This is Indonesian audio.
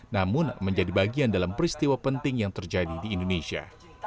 namun menjadi bagian dalam peristiwa penting yang terjadi di indonesia